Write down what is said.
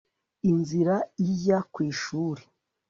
inzira ajya kwishuri